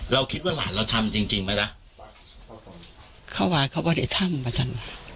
เราคิดว่าหลานเราทำจริงจริงไหมจ๊ะข้าว้าเขาจะทำแบบทำ